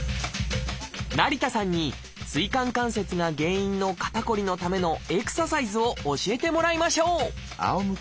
成田さんに椎間関節が原因の肩こりのためのエクササイズを教えてもらいましょう！